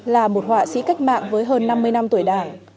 là một họa sĩ cách mạng với hơn năm mươi năm tuổi đảng